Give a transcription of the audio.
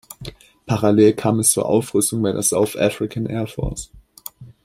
Parallel kam es zur Aufrüstung bei der South African Air Force.